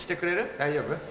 大丈夫？